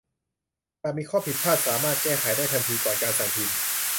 หากมีข้อผิดพลาดสามารถแก้ไขได้ทันทีก่อนการสั่งพิมพ์